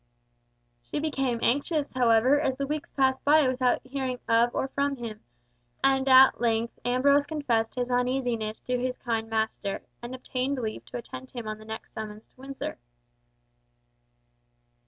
She became anxious, however, as the weeks passed by without hearing of or from him, and at length Ambrose confessed his uneasiness to his kind master, and obtained leave to attend him on the next summons to Windsor.